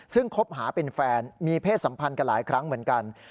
ซึ่งคบหาเป็นแฟนมีเพศสัมพันธ์กันหลายครั้งเหมือนกัน